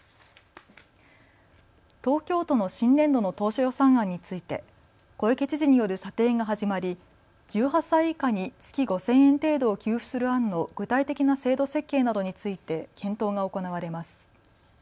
東京都の新年度の当初予算案について小池知事による査定が始まり１８歳以下に月５０００円程度を給付する案の具体的な制度設計などについて検討が行われます。